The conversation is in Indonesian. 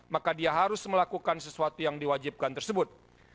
maka dia harus melakukan sesuatu yang diwajibkan tersebut